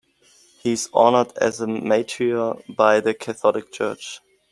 He is honored as a martyr by the Catholic Church.